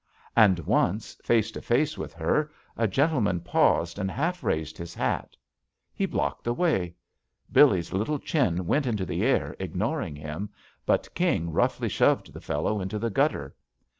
And once, face to face with her, a gentle JUST SWEETHEARTS man paused and half raised his hat. He blocked the way. Billee's little chin went into the air ignoring him, but King roughly shoved the fellow into the gutter.